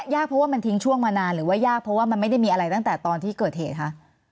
ยากเพราะว่ามันทิ้งช่วงมานานหรือว่ายากเพราะว่ามันไม่ได้มีอะไรตั้งแต่ตอนที่เกิดเหตุคะ